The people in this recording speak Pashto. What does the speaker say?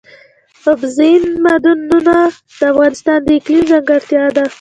اوبزین معدنونه د افغانستان د اقلیم ځانګړتیا ده.